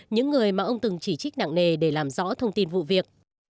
những người mà ông từng chỉ trích nặng nề để làm rõ thông tin vụ việc